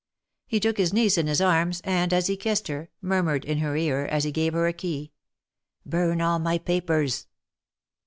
He took his niece in his arms, and, as he kissed her, murmured in her ear, as he gave her a key :" Burn all my papers."